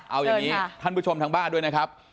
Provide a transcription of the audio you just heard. เอาอย่างนี้ท่านผู้ชมทางบ้านด้วยนะครับ